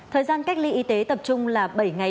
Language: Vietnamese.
thời gian cách ly y tế tập trung là bảy ngày